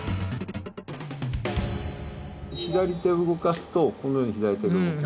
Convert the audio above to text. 左手を動かすとこのように左手が動きます。